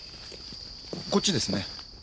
こっちですね。